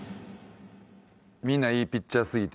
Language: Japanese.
みんないいピッチャーすぎて。